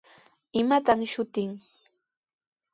¿Imataq shutin?